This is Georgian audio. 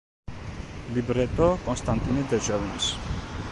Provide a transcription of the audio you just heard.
ლიბრეტო კონსტანტინე დერჟავინის.